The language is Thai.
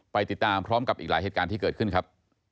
ไปติดตามพร้อมกับอีกหลายเหตุการณ์ที่เกิดขึ้นครับ